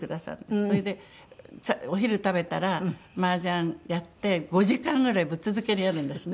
それでお昼食べたらマージャンやって５時間ぐらいぶっ続けでやるんですね。